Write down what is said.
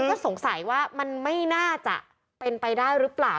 ก็สงสัยว่ามันไม่น่าจะเป็นไปได้หรือเปล่า